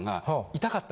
痛かった？